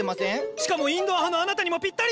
しかもインドア派のあなたにもぴったり！